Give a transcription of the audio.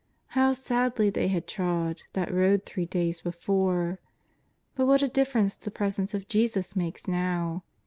How sadly they had trod that road three days before! But what a difference the presence of Jesus makes now!